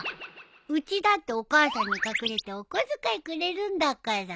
うちだってお母さんに隠れてお小遣いくれるんだから。